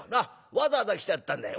わざわざ来てやったんだよ。